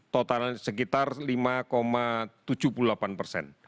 total sekitar lima tujuh puluh delapan persen